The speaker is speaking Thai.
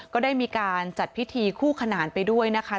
ก็ได้มีการจัดพิธีคู่ขนานไปด้วยนะคะ